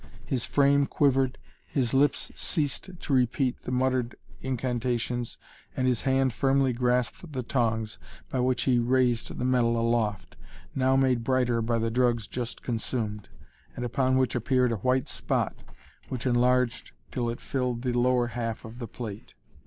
His frame quivered, his lips ceased to repeat the muttered incantations, his hand firmly grasped the tongs by which he raised the metal aloft, now made brighter by the drugs just consumed, and upon which appeared a white spot, which enlarged till it filled the lower half of the plate.